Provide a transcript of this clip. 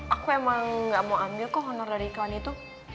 aku emang gak mau ambil kok honor dari kawan itu